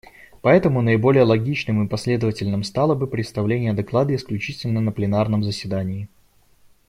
Поэтому наиболее логичным и последовательным стало бы представление доклада исключительно на пленарном заседании.